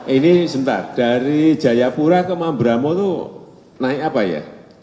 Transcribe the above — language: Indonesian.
ini sebentar dari jayapura ke mambramo itu naik apa ya